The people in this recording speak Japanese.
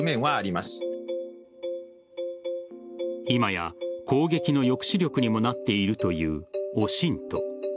今や攻撃の抑止力にもなっているというＯＳＩＮＴ。